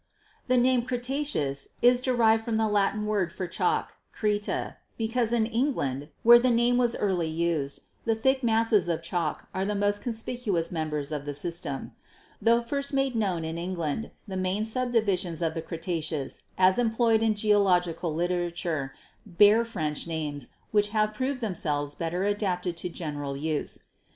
"The name 'Cretaceous' is derived from the Latin word for chalk, 'Creta,' because in England, where the name was early used, the thick masses of chalk are the most conspicuous members of the system. Tho first made known in England, the main subdivisions of the Cre taceous, as employed in geological literature, bear French names, which have proved themselves better adapted to general use.